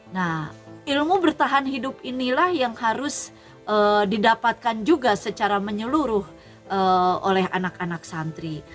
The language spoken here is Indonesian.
nah ilmu bertahan hidup inilah yang harus didapatkan juga secara menyeluruh oleh anak anak santri